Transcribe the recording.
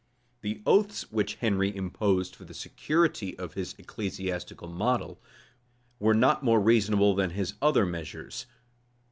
The oaths which Henry imposed for the security of his ecclesiastical model, were not more reasonable than his other measures.